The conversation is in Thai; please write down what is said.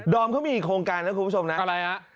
เขามีอีกโครงการนะคุณผู้ชมนะอะไรฮะ